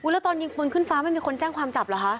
แล้วตอนยิงปืนขึ้นฟ้าไม่มีคนแจ้งความจับเหรอคะ